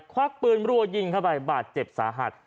ควักปืนรัวยิงเข้าไปบาดเจ็บสาหัส